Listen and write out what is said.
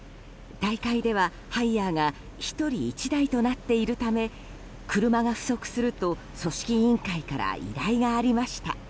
大会では、ハイヤーが１人１台となっているため車が不足すると組織委員会から依頼がありました。